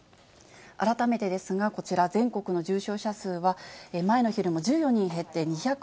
改めてですが、こちら、全国の重症者数は前の日よりも１４人減って２６２人。